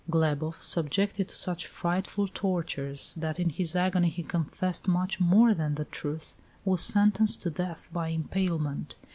Glebof, subjected to such frightful tortures that in his agony he confessed much more than the truth, was sentenced to death by impalement.